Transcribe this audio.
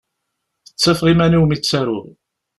Ttafeɣ iman-iw mi ttaruɣ.